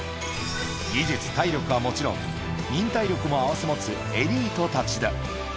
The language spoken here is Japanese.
技術、体力はもちろん、忍耐力も併せ持つエリートたちだ。